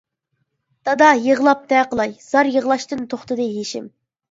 دادا يىغلاپ نە قىلاي، زار يىغلاشتىن توختىدى يېشىم.